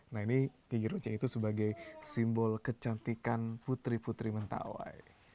nah ini gigi ruceng itu sebagai simbol kecantikan putri putri mentawai